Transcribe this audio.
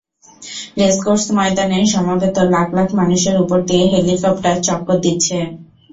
Racecourse ময়দানে সমবেত লাখ লাখ মানুষের ওপর দিয়ে হেলিকপ্টার চক্কর দিচ্ছে।